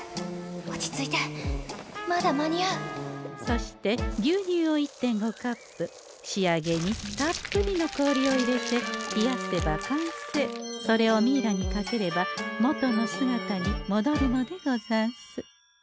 そして牛乳を１．５カップ仕上げにたっぷりの氷を入れて冷やせば完成それをミイラにかければ元の姿にもどるのでござんす。